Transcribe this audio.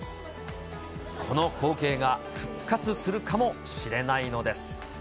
この光景が復活するかもしれないのです。